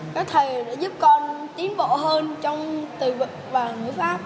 các thầy đã giúp con tiến bộ hơn trong từ vật và ngữ pháp